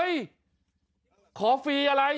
เฮ้ยขอฟรีอะไร